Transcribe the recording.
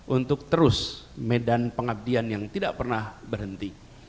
untuk terus medan pengabdian yang tidak pernah berhenti